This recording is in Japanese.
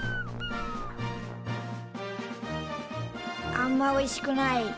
あんまおいしくない。